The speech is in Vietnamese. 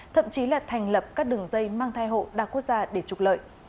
thậm chí là thành lập các đường dây mang thai hộ đa quốc gia để trục lợi